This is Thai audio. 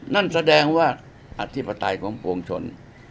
นั่นแสดงว่าอธิปไตยของปวงชน